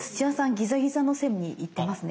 ギザギザの線に行ってますね。